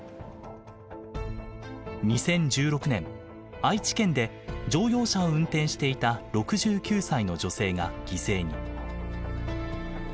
２０１６年愛知県で乗用車を運転していた６９歳の女性が犠牲に。